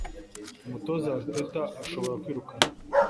Umutoza Arteta ashobora kwirukanwa